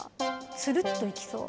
つるっといきそう。